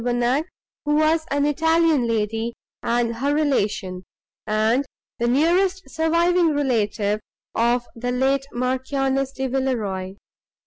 Bonnac, who was an Italian lady and her relation, and the nearest surviving relative of the late Marchioness de Villeroi.